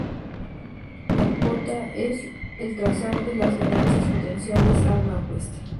La "cuota" es el trazador de las ganancias potenciales a una apuesta.